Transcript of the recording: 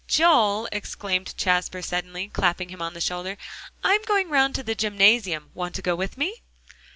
"Joel," exclaimed Jasper suddenly, clapping him on the shoulder, "I'm going round to the gymnasium; want to go with me?"